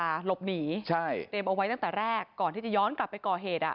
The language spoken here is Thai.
หลบหนีใช่เตรียมเอาไว้ตั้งแต่แรกก่อนที่จะย้อนกลับไปก่อเหตุอ่ะ